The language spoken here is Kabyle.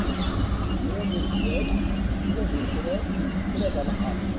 Kra d azway, kra d acraw, kra d alqaḍ.